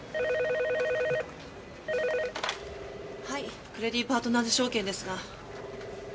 ☎はいクレディ・パートナーズ証券ですが。